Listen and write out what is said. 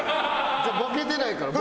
ボケてないから。